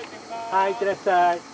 はい行ってらっしゃい。